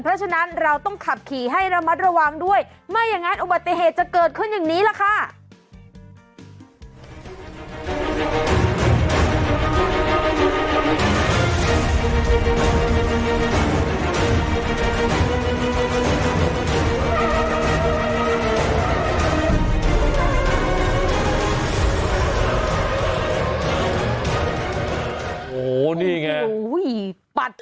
เพราะฉะนั้นเราต้องขับขี่ให้ระมัดระวังด้วยไม่อย่างนั้นอุบัติเหตุจะเกิดขึ้นอย่างนี้ล่ะค่ะ